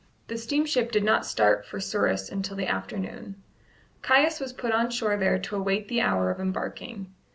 The steamship did not start for Souris until the afternoon. Caius was put on shore there to await the hour of embarking.